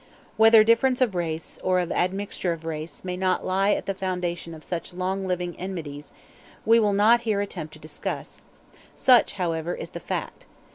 Whether difference of race, or of admixture of race may not lie at the foundation of such long living enmities, we will not here attempt to discuss; such, however, is the fact.